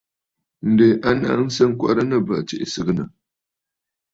Ǹdè a nsaŋnə ŋkwɛrə nɨ̂ bə̂ tsiʼì sɨgɨ̀nə̀.